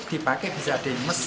dipakai bisa demes